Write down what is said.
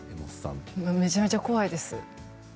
めちゃめちゃ怖いです。